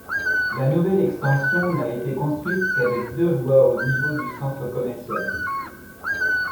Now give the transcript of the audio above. La nouvelle extension n'a été construite qu'avec deux voies au niveau du centre commercial.